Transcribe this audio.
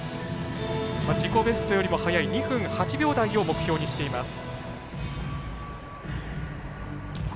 自己ベストよりも早い２分８秒台を目標にしています。